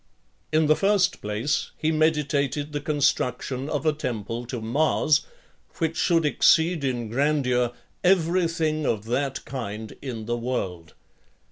In the first place, he meditated the construction of a temple to Mars, which should exceed in grandeur every thing of that kind in the world.